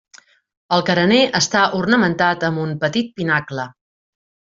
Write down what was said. El carener està ornamentat amb un petit pinacle.